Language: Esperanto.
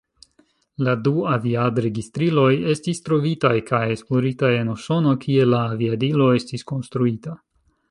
La du aviad-registriloj estis trovitaj kaj esploritaj en Usono, kie la aviadilo estis konstruita.